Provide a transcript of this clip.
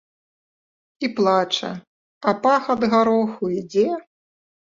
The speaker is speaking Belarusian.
І плача, а пах ад гароху ідзе.